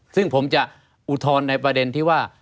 ซึ่งผมจะอุทธรณ์ในประเด็นที่ว่า